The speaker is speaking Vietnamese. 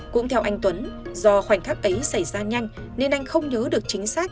cũng theo anh tuấn do khoảnh khắc ấy xảy ra nhanh nên anh không nhớ được chính xác